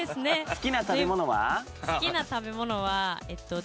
好きな食べ物は。